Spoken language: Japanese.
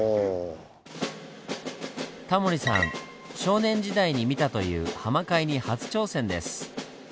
タモリさん少年時代に見たという浜飼いに初挑戦です。